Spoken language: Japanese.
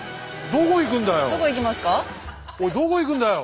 おいどこ行くんだよ？